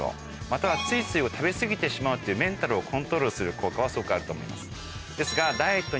またはついつい食べ過ぎてしまうっていうメンタルをコントロールする効果はすごくあると思います。